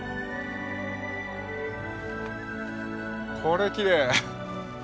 これきれい！